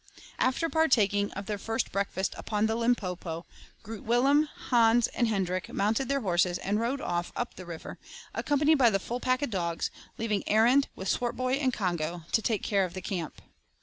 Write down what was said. After partaking of their first breakfast upon the Limpopo, Groot Willem, Hans, and Hendrik mounted their horses and rode off up the river, accompanied by the full pack of dogs, leaving Arend, with Swartboy and Congo, to take care of the camp.